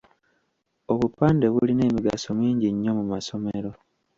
Obupande bulina emigaso mingi nnyo mu masomero.